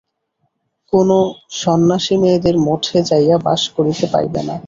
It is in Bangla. কোন সন্ন্যাসী মেয়েদের মঠে যাইয়া বাস করিতে পাইবে না।